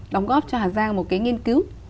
đóng góp cho hà giang một cái nghiên cứu